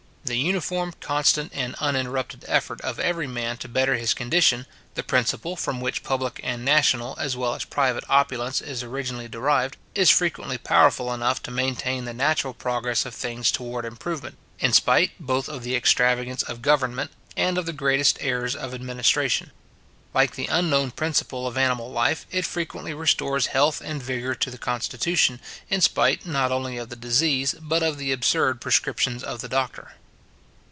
The uniform, constant, and uninterrupted effort of every man to better his condition, the principle from which public and national, as well as private opulence is originally derived, is frequently powerful enough to maintain the natural progress of things towards improvement, in spite both of the extravagance of government, and of the greatest errors of administration. Like the unknown principle of animal life, it frequently restores health and vigour to the constitution, in spite not only of the disease, but of the absurd prescriptions of the doctor.